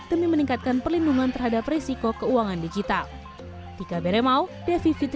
demi meningkatkan perlindungan terhadap risiko keuangan digital